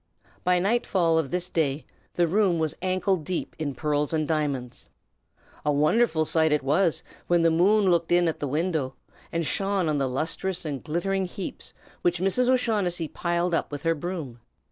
By nightfall of this day the room was ankle deep in pearls and diamonds. A wonderful sight it was, when the moon looked in at the window, and shone on the lustrous and glittering heaps which Mrs. O'Shaughnessy piled up with her broom.